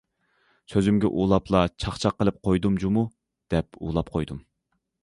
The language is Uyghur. سۆزۈمگە ئۇلاپلا« چاقچاق قىلىپ قويدۇم جۇمۇ» دەپ ئۇلاپ قويدۇم.